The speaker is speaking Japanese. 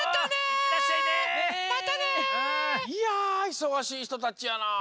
いやいそがしいひとたちやなあ。